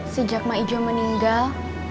sejak ma ijom meninggal